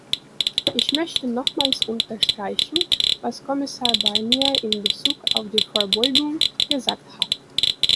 Ich möchte nochmals unterstreichen, was Kommissar Barnier in Bezug auf die Vorbeugung gesagt hat.